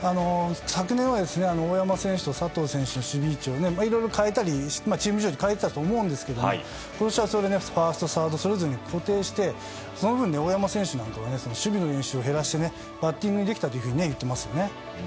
昨年は、大山選手と佐藤選手の守備位置をいろいろ変えたりチーム事情で変えたりしましたが今年はそれがファーストサードそれぞれに固定してその分、大山選手は守備の練習を減らしてバッティングできたといっていますね。